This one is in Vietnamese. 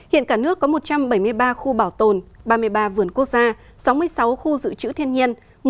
hiện cả nước có một trăm bảy mươi ba khu bảo tồn ba mươi ba vườn quốc gia sáu mươi sáu khu dự trữ thiên nhiên